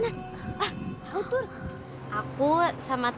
pensil mengakhiri yang lebih baik